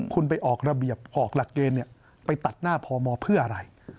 คุณไปออกระเบียบออกหลักเกณฑ์ไปตัดหน้าพมเพื่ออะไร